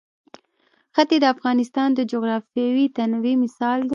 ښتې د افغانستان د جغرافیوي تنوع مثال دی.